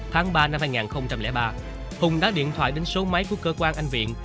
tháng ba năm hai nghìn ba hùng đã điện thoại đến số máy của cơ quan anh viện